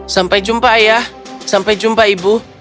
sampai jumpa ayah sampai jumpa ibu